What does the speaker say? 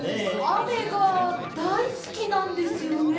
あめがだいすきなんですよね？